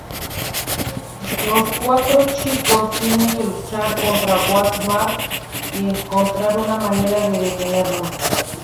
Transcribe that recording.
Los cuatro chicos tienen que luchar contra Wall-Mart y encontrar una manera de detenerlo.